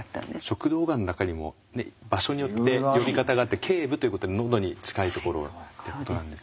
食道がんの中にも場所によって呼び方があって頸部ということでのどに近いところってことなんですよね。